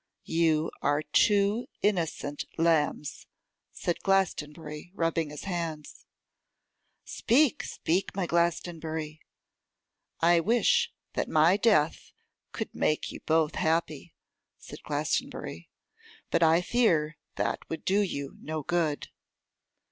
'You are two innocent lambs,' said Glastonbury, rubbing his hands. 'Speak, speak, my Glastonbury.' 'I wish that my death could make you both happy,' said Glastonbury; 'but I fear that would do you no good.